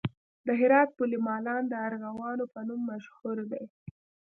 د هرات پل مالان د ارغوانو په نوم مشهور دی